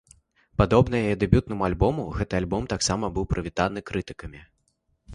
Падобна яе дэбютнаму альбому, гэты альбом таксама быў прывітаны крытыкамі.